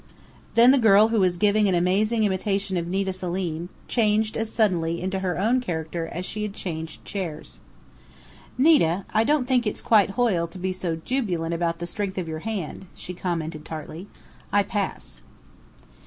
Then the girl who was giving an amazing imitation of Nita Selim changed as suddenly into her own character as she changed chairs. "Nita, I don't think it's quite Hoyle to be so jubilant about the strength of your hand," she commented tartly. "I pass."